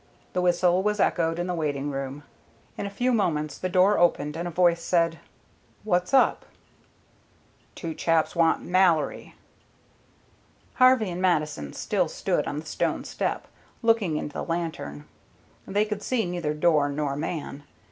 The whistle was echoed in the waiting room. In a few moments the door opened and a voice said, "What's up?" "Two chaps want Mallory." Harvey and Mattison still stood on the stone step, looking into the lantern. They could see neither door nor man.